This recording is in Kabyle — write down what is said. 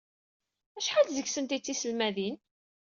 Acḥal seg-sent ay d tiselmadin?